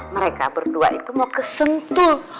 mereka berdua itu mau kesentul